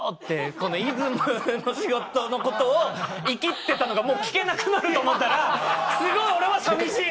この『イズム』の仕事のことをイキってたのがもう聞けなくなると思ったらすごい俺は寂しいんすよ。